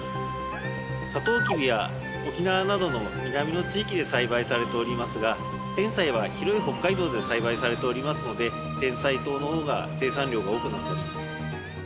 サトウキビは沖縄などの南の地域で栽培されておりますがテンサイは広い北海道で栽培されておりますのでテンサイ糖の方が生産量が多くなっております。